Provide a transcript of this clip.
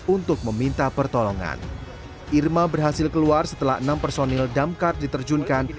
untuk meminta pertolongan irma berhasil keluar setelah enam personil damkar diterjunkan